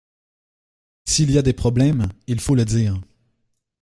S’il y a des problèmes il faut le dire.